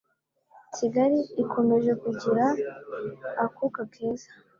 Kigali ikomeje kugira akuka keza.